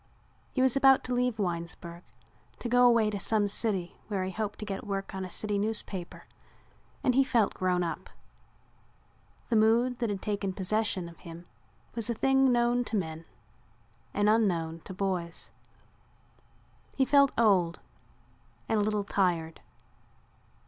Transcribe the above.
He was about to leave Winesburg to go away to some city where he hoped to get work on a city newspaper and he felt grown up. The mood that had taken possession of him was a thing known to men and unknown to boys. He felt old and a little tired.